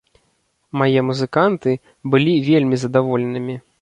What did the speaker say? Мае музыканты былі вельмі задаволенымі.